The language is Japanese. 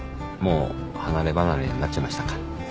もう離れ離れになっちゃいましたか。